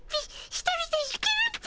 一人で行けるっピ。